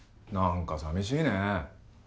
何かさみしいね。